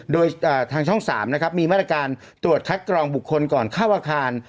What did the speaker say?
โดยทางช่อง๓นะครับมีมาตรการตรวจคัดกรองบุคคลก่อนเข้าอาคาร